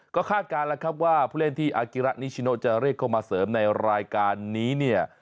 ก็คาดการณ์แล้วครับว่าผู้เล่นที่อากิระนิชิโนจะเรียกเข้ามาเสริมในรายการนี้เนี่ย